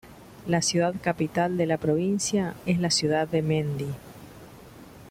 La ciudad capital de la provincia es la ciudad de Mendi.